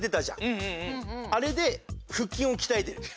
あれでふっきんをきたえてる。